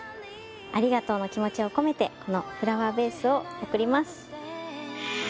ありがとうの気持ちを込めてこのフラワーベースを贈ります。